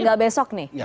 tidak besok nih